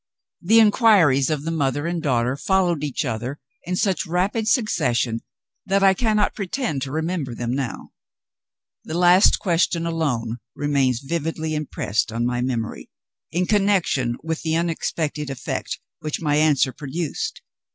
The inquiries of the mother and daughter followed each other in such rapid succession that I cannot pretend to remember them now. The last question alone remains vividly impressed on my memory, in connection with the unexpected effect which my answer produced.